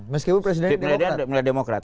meskipun presidennya dari demokrat